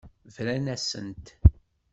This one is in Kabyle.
Bran-asent.